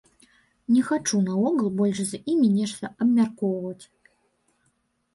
Не хачу наогул больш з імі нешта абмяркоўваць!